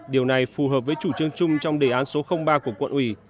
điều này phù hợp với chủ trương chung trong đề án số ba của quận ủy